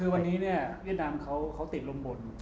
คือวันนี้เนี่ยเวียดนามเขาติดลมบน